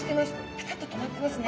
ピタッと止まってますね。